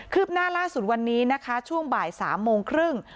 ืบหน้าล่าสุดวันนี้นะคะช่วงบ่าย๓โมงครึ่ง